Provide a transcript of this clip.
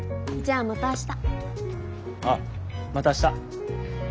ああまた明日。